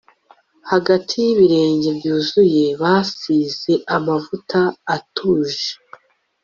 hagati yibirenge byuzuye basize amavuta atuje